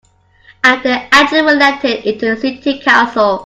And they actually were elected into the city council.